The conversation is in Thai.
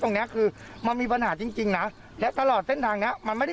ตรงนี้มันมีปัญหาจริงนะ